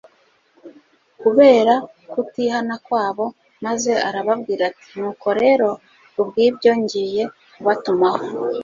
kubera kutihana kwabo, maze arababwira ati : "Nuko rero kubw'ibyo ngiye kubatumaho